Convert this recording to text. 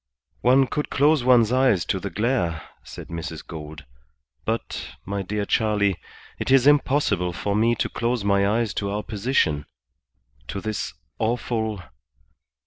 "One could close one's eyes to the glare," said Mrs. Gould. "But, my dear Charley, it is impossible for me to close my eyes to our position; to this awful